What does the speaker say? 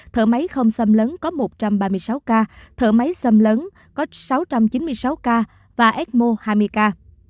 thở máy không xâm lấn có một trăm ba mươi sáu ca thở máy xâm lấn có sáu trăm chín mươi sáu ca và ecmo hai mươi ca